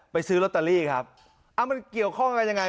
ไปซื้อรอตาลีครับอะมันเกี่ยวข้องกันยังไง